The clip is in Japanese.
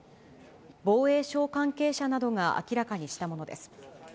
防衛省関係者などが明らかにしたものです。